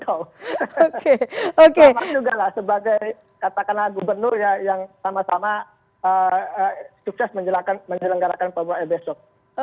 selamat juga lah sebagai katakanlah gubernur yang sama sama sukses menjelanggarakan formula e besok